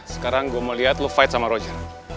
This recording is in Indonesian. sekarang gue mau liat lo fight sama roger